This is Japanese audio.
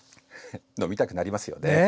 飲みたくなりますよね。